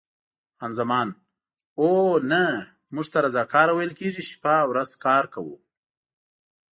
خان زمان: اوه، نه، موږ ته رضاکاره ویل کېږي، شپه او ورځ کار کوو.